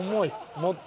持って。